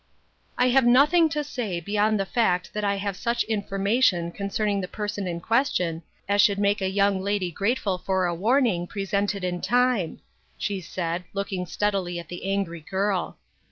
" I have nothing to say beyond the fact that I have such information concerning the person in question as should make a young lady grateful for a warning, presented in time," she said, look ing steadily at the angry girl.